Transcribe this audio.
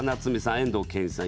遠藤憲一さん